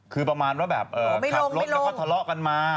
คือประมาณว่าแบบขับรถแล้วก็ทะเลาะกันมา